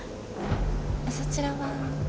そちらは？